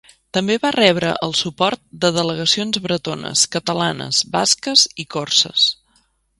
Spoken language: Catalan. També va rebre el suport de delegacions bretones, catalanes, basques i corses.